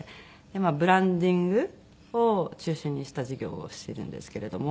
ブランディングを中心にした事業をしてるんですけれども。